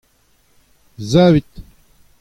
Savit.